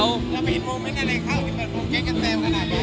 แล้วไปเห็นโมเม้นท์กันอะไรครับ